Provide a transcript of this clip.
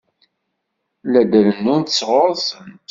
La d-rennunt sɣur-sent.